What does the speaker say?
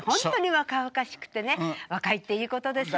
若いっていいことですね。